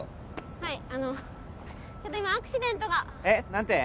はいあのちょっと今アクシデントがえっ何て？